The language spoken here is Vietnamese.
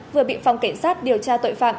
vừa bị phòng kiện sát điều tra tội phạm